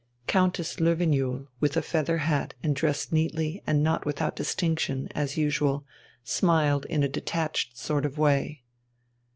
Countess Löwenjoul, with a feather hat and dressed neatly and not without distinction, as usual, smiled in a detached sort of way.